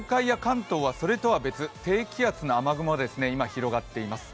一方で東海や関東はそれとは別、低気圧の雨雲、今広がっています。